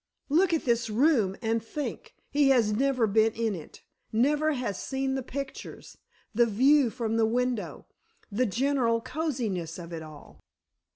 Look at this room, and think, he has never been in it! Never has seen the pictures—the view from the window, the general coziness of it all."